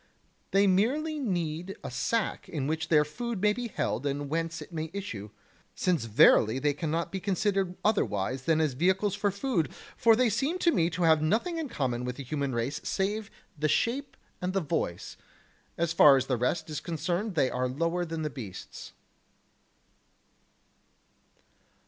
They merely need a sack in which their food may be held and whence it may issue, since verily they cannot be considered otherwise than as vehicles for food, for they seem to me to have nothing in common with the human race save the shape and the voice; as far as the rest is concerned they are lower than the beasts.